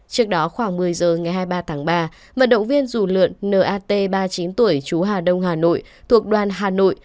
trước đó khoảng một mươi giờ ngày hai mươi ba tháng ba vận động viên dù lượn nat ba mươi chín tuổi chú hà đông hà nội thuộc đoàn hà nội